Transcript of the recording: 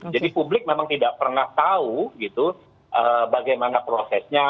jadi publik memang tidak pernah tahu bagaimana prosesnya